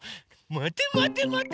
まてまてまて。